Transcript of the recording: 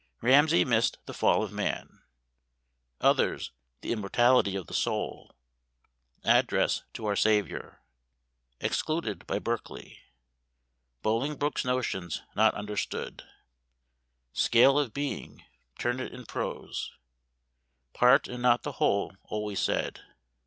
Ramsay missed the fall of man. Others the immortality of the soul. Address to our Saviour. Excluded by Berkeley. Bolingbroke's notions not understood. Scale of Being turn it in prose. Part and not the whole always said.